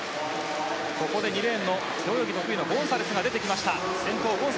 ここで２レーンの背泳ぎが得意なゴンサレスが出てきました。